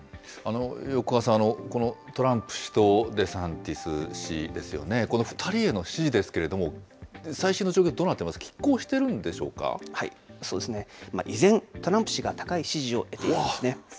横川さん、トランプ氏とデサンティス氏ですよね、この二人への支持ですけれども、最新の状況、どうなってますか、きっ抗してる以前、トランプ氏が高い支持を得ていますね。